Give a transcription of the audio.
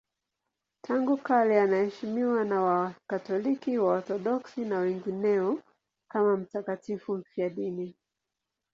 Tangu kale anaheshimiwa na Wakatoliki, Waorthodoksi na wengineo kama mtakatifu mfiadini.